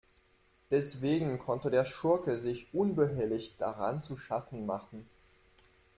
Deswegen konnte der Schurke sich unbehelligt daran zu schaffen machen.